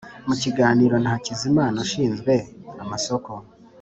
Mu kiganiro na Hakizimana ushinzwe amasoko